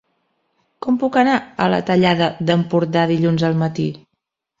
Com puc anar a la Tallada d'Empordà dilluns al matí?